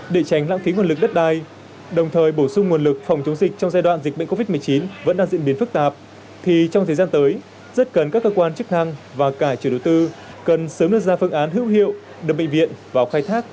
để tránh lãng phí nguồn lực đất đai đồng thời bổ sung nguồn lực phòng chống dịch trong giai đoạn dịch bệnh covid một mươi chín vẫn đang diễn biến phức tạp thì trong thời gian tới rất cần các cơ quan chức năng và cả chủ đối tư cần sớm đưa ra phương án hữu hiệu đưa bệnh viện vào khai thác